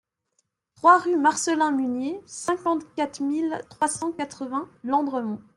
trois rue Marcellin Munier, cinquante-quatre mille trois cent quatre-vingts Landremont